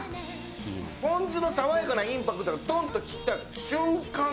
ぽん酢の爽やかなインパクトがドンと来た瞬間